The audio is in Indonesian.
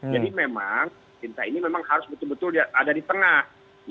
jadi memang cinta ini memang harus betul betul ada di tengah